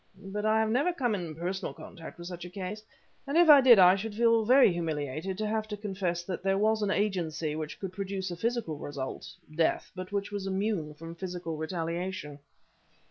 But I have never come in personal contact with such a case, and if I did I should feel very humiliated to have to confess that there was any agency which could produce a physical result death but which was immune from physical retaliation."